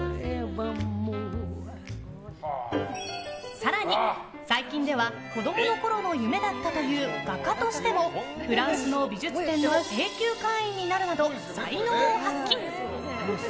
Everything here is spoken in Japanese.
更に、最近では子供のころの夢だったという画家としてもフランスの美術展の永久会員になるなど才能を発揮。